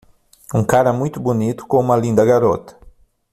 um cara muito bonito com uma linda garota